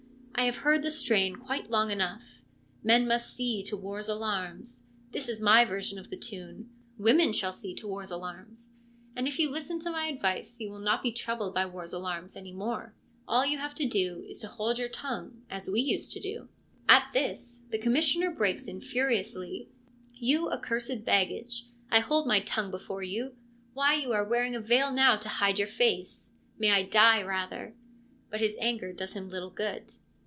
I have heard the strain quite long enough, ' Men must see to war's alarms.' This is my version of the tune :' Women shall see to war's alarms '; and if you listen to my advice you will not be troubled by war's alarms any more. All you have to do is to hold your tongue, as we used to do. At this the Commissioner breaks in furiously : 1 You accursed baggage, I hold my tongue before you ! Why, you are wearing a veil now to hide your face. May I die rather.' But his anger does him little good.